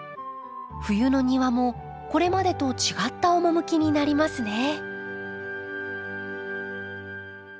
冬の庭もこれまでと違った趣になりますね。